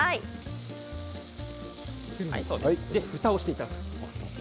ふたをしていただく。